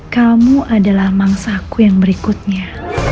kamu adalah mangsa aku yang berikutnya